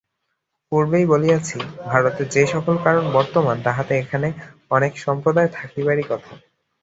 পূর্বেই বলিয়াছি, ভারতে যে-সকল কারণ বর্তমান, তাহাতে এখানে অনেক সম্প্রদায় থাকিবারই কথা।